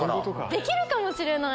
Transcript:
できるかもしれない！